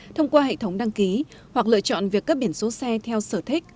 thông qua hệ thống đăng ký hoặc lựa chọn việc cấp biển số xe theo sở thích